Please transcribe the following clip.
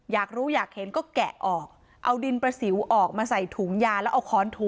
อยากรู้อยากเห็นก็แกะออกเอาดินประสิวออกมาใส่ถุงยาแล้วเอาค้อนถู